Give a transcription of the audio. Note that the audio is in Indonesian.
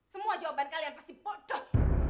semua jawaban kalian pasti bodoh